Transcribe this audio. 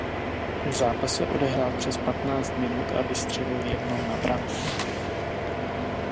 V zápase odehrál přes patnáct minut a vystřelil jednou na branku.